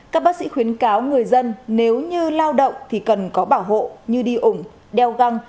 các bác sĩ khuyến cáo người dân nếu như lao động thì cần có bảo hộ như đi ủng đeo găng